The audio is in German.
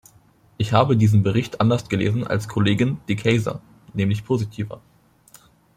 Ich habe diesen Bericht anders gelesen als Kollegin De Keyser, nämlich positiver.